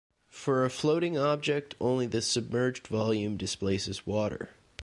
For a floating object, only the submerged volume displaces water.